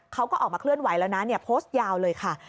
เขาก็ออกมาเคลื่อนไหวแล้วนะโพสต์ยาวเลยค่ะ